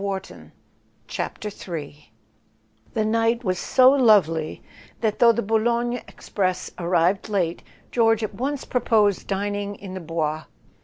A SON AT THE FRONT III HE night was so lovely that, though the Bou X logne express arrived late, George at once pro¬ posed dining in the Bois.